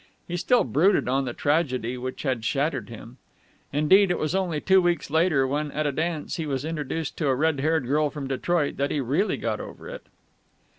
He still brooded on the tragedy which had shattered him. Indeed, it was only two weeks later, when at a dance he was introduced to a red haired girl from Detroit, that he really got over it.